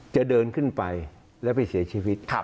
จะเดินขึ้นไปแล้วไปเสียชีวิต